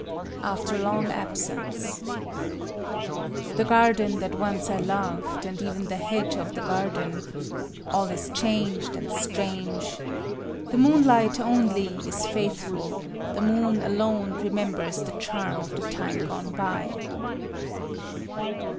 _ AFTER LONG ABSENCE _The garden that once I loved, and even the hedge of the garden,— All is changed and strange: the moonlight only is faithful;— The moon alone remembers the charm of the time gone by!